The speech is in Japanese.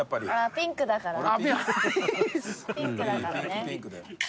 ピンクだからね。